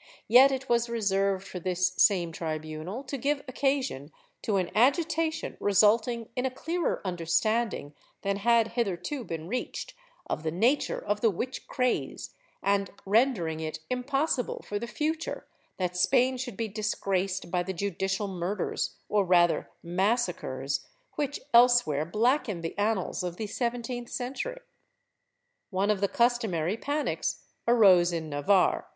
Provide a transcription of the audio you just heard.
^ Yet it was reserved for this same tribunal to give occasion to an agitation resulting in a clearer understanding than had hitherto been reached of the nature of the witch craze, and rendering it impossible for the future that Spain should be disgraced by the judicial murders, or rather massacres, which elsewhere blacken the annals of the seventeenth century. One of the customary panics arose in Navarre.